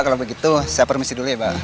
kalo begitu saya permisi dulu ya mbak